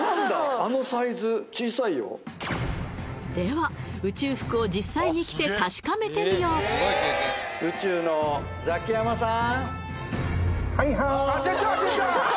あのサイズ小さいよでは宇宙服を実際に着て確かめてみようザキヤマさん